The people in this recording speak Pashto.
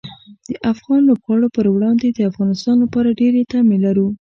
د افغان لوبغاړو پر وړاندې د افغانستان لپاره ډېرې تمې لرو.